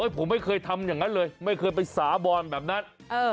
ผมไม่เคยทำอย่างนั้นเลยไม่เคยไปสาบอนแบบนั้น